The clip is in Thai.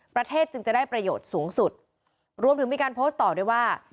ประเทศจึงจะได้ประโยชน์สูงสุดรวมถึงมีการโพสต์ต่อด้วยว่า